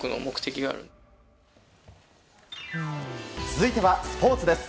続いてはスポーツです。